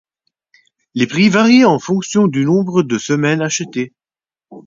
Les prix varient en fonction du nombre de semaines achetées.